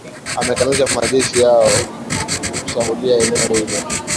amekanusha majeshi yao kushambulia eneo hilo